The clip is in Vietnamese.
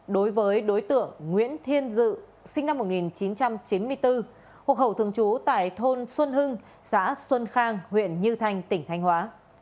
đối với đối tượng nguyễn thiên dự sinh năm một nghìn chín trăm chín mươi bốn hộ khẩu thường trú tại thôn xuân hưng xã xuân khang huyện như thanh tỉnh thanh hóa